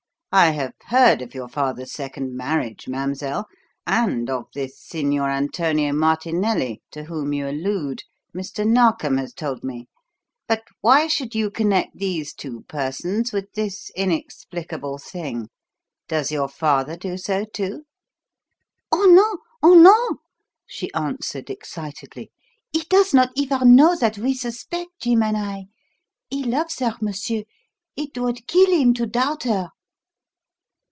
"I have heard of your father's second marriage, mademoiselle, and of this Signor Antonio Martinelli, to whom you allude. Mr. Narkom has told me. But why should you connect these two persons with this inexplicable thing? Does your father do so, too?" "Oh, no! Oh, no!" she answered excitedly. "He does not even know that we suspect, Jim and I. He loves her, monsieur. It would kill him to doubt her."